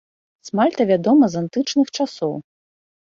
Смальта вядома з антычных часоў.